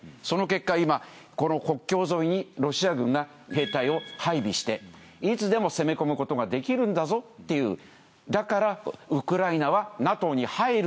その結果今この国境沿いにロシア軍が兵隊を配備していつでも攻め込むことができるんだぞっていう。